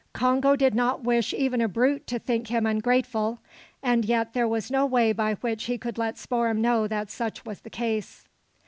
Congo did not wish even a brute to think him ungrateful, and yet there was no way by which he could let Spoor'em know that such was the case.